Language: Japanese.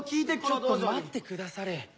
ちょっと待ってくだされ。